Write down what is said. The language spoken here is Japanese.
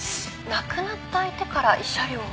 亡くなった相手から慰謝料を？